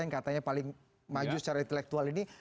yang katanya paling maju secara intelektual ini